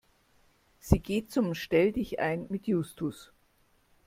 Sie geht zum Stelldichein mit Justus.